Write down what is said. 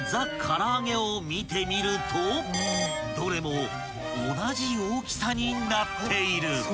から揚げを見てみるとどれも同じ大きさになっている］